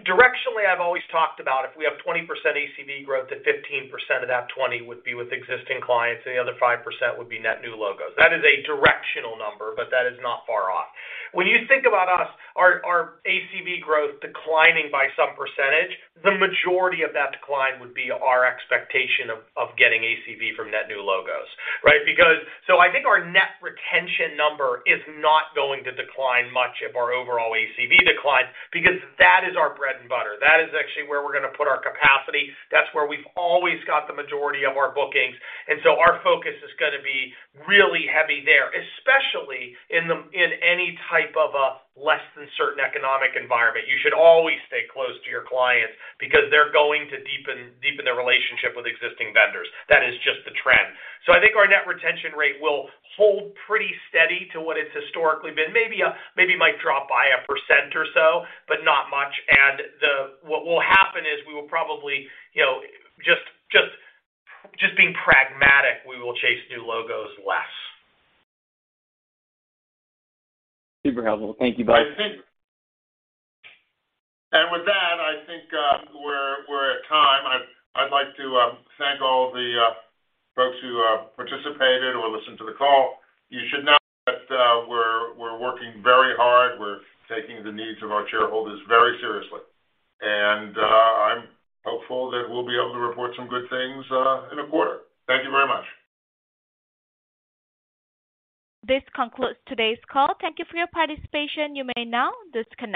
Directionally, I've always talked about if we have 20% ACV growth, that 15% of that 20 would be with existing clients, and the other 5% would be net new logos. That is a directional number, but that is not far off. When you think about us, our ACV growth declining by some percentage, the majority of that decline would be our expectation of getting ACV from net new logos, right? I think our net retention number is not going to decline much if our overall ACV declines because that is our bread and butter. That is actually where we're gonna put our capacity. That's where we've always got the majority of our bookings. Our focus is gonna be really heavy there, especially in any type of a less than certain economic environment. You should always stay close to your clients because they're going to deepen their relationship with existing vendors. That is just the trend. I think our net retention rate will hold pretty steady to what it's historically been. Maybe, maybe it might drop by 1% or so, but not much. What will happen is we will probably, you know, just being pragmatic, we will chase new logos less. Super helpful. Thank you both. With that, I think we're at time. I'd like to thank all the folks who participated or listened to the call. You should know that we're working very hard. We're taking the needs of our shareholders very seriously. I'm hopeful that we'll be able to report some good things in a quarter. Thank you very much. This concludes today's call. Thank you for your participation. You may now disconnect.